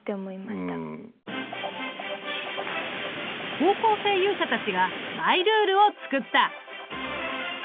高校生勇者たちがマイルールを作った。